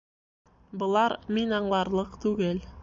Былар мин аңларлыҡ түгел